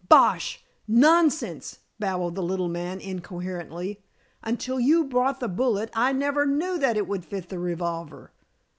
Bosh! Nonsense!" babbled the little man incoherently. "Until you brought the bullet I never knew that it would fit the revolver."